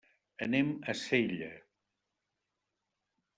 Anem a Sella.